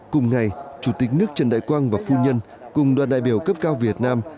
cùng ngày chủ tịch nước trần đại quang và phu nhân cùng đoàn đại biểu cấp cao việt nam